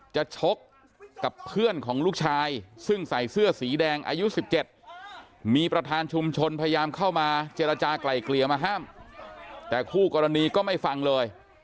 ชกกับเพื่อนของลูกชายซึ่งใส่เสื้อสีแดงอายุ๑๗มีประธานชุมชนพยายามเข้ามาเจรจากลายเกลี่ยมาห้ามแต่คู่กรณีก็ไม่ฟังเลย